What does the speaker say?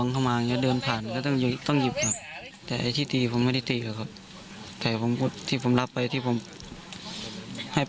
ถ้ายืนแจนแบบนี้แสดงว่าตัวแม่เขาเป็นคนลงมือทำคนเดียวใช่ไหม